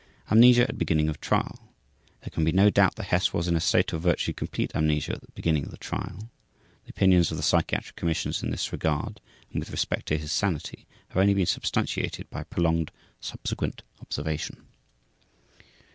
Amnesia at beginning of trial. There can be no doubt that Hess was in a state of virtually complete amnesia at the beginning of the trial. The opinions of the psychiatric commissions in this regard and with respect to his sanity have only been substantiated by prolonged subsequent observation.